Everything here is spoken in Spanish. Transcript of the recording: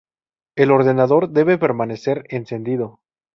El ordenador debe permanecer encendido.